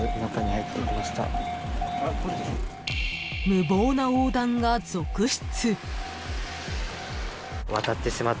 ［無謀な横断が続出］